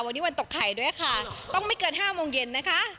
วันนี้วันตกไข่ด้วยค่ะต้องไม่เกิน๕โมงเย็นนะคะ